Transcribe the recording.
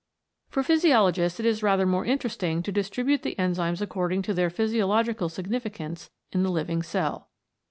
For physiologists it is rather more interesting to distribute the enzymes according to their physio logical significance in the living cell.